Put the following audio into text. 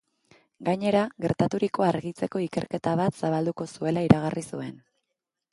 Gainera, gertaturikoa argitzeko ikerketa bat zabalduko zuela iragarri zuen.